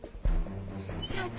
社長！